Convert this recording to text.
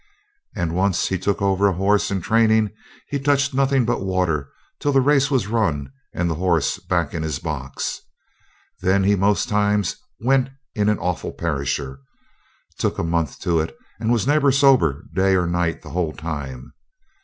And once he took over a horse in training he touched nothing but water till the race was run and the horse back in his box. Then he most times went in an awful perisher took a month to it, and was never sober day or night the whole time.